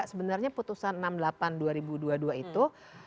sebenarnya putusan enam puluh delapan dua ribu dua puluh dua itu